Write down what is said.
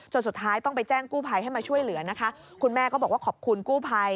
จนสุดท้ายต้องไปแจ้งกู้ภัยให้มาช่วยเหลือนะคะ